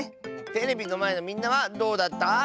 テレビのまえのみんなはどうだった？